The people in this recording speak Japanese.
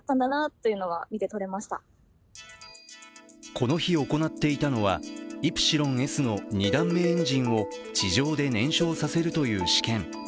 この日、行っていたのは「イプシロンＳ」の２段目エンジンを地上で燃焼させるという試験。